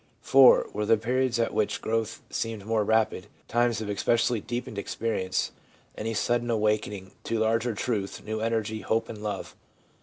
' IV. Were there periods at which growth seemed more rapid; times of especially deepened experience; any sudden awakening to larger truth, new energy, hope and love